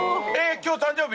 今日誕生日？